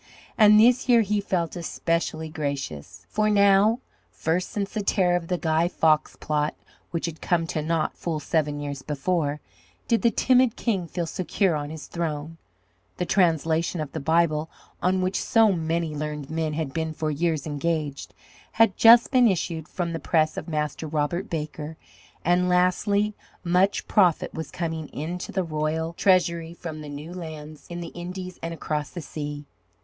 And this year he felt especially gracious. For now, first since the terror of the Guy Fawkes plot which had come to naught full seven years before, did the timid king feel secure on his throne; the translation of the Bible, on which so many learned men had been for years engaged, had just been issued from the press of Master Robert Baker; and, lastly, much profit was coming into the royal treasury from the new lands in the Indies and across the sea.